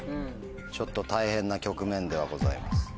ちょっと大変な局面ではございます。